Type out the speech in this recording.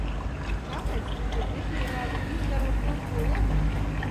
Kāpēc tu to nepierādi, izdarot kaut ko labu?